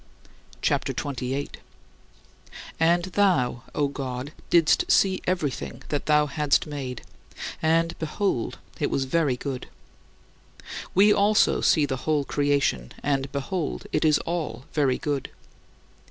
CHAPTER XXVIII 43. And thou, O God, didst see everything that thou hadst made and, behold, it was very good. We also see the whole creation and, behold, it is all very good.